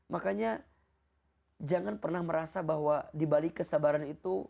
makanya jangan pernah merasa bahwa dibalik kesabaran itu